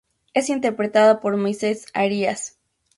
Es interpretado por Moises Arias.